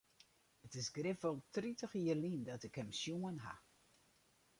It is grif wol tritich jier lyn dat ik him sjoen ha.